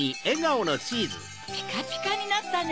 ピカピカになったね。